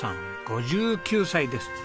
５９歳です。